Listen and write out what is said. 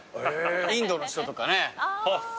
インドの人とかね。